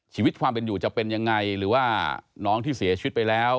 ชีวิตความเป็นอยู่จะเป็นยังไงหรือว่าน้องที่เสียชีวิตไปแล้ว